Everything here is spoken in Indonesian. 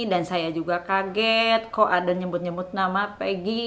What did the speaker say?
saya juga kaget kok ada nyebut nyebut nama peggy